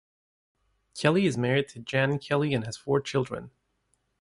Kelly is married to Jan Kelly and has four children.